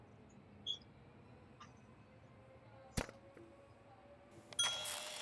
Alipofika hapo mtaalamu wa ufundi aliinamisha uso chini na kunyamaza kwa muda